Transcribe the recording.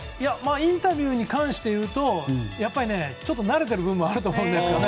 インタビューに関してはやっぱり慣れている部分もあると思うんですよね。